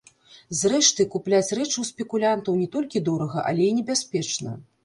Зрэшты, купляць рэчы ў спекулянтаў не толькі дорага, але і небяспечна.